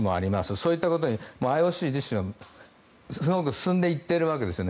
そういったことにＩＯＣ自身は進んでいっているわけですね。